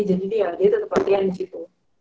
jadi dia tetap latihan disitu